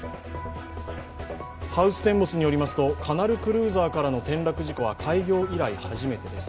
ハウステンボスによりますとカナルクルーザーからの転落事故は開業以来初めてです。